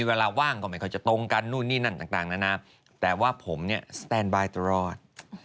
เวลาว่างก็ไม่ค่อยจะตรงกันนู่นนี่นั่นต่างนานาแต่ว่าผมเนี่ยสแตนบายตลอด